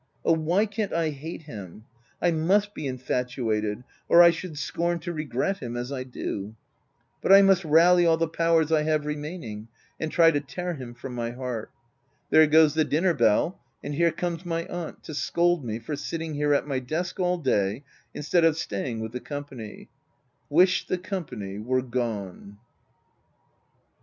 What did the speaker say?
Oh, why can't I hate him ? I must be infatuated, or I should scorn to regret him as I do ! But I must rally all the powers I have remaining, and try to tear him from my heart. There goes the dinner bell — and here comes my aunt to scold me for sitting here at my desk all day, instead of staying with the company — I wish the company were— gone.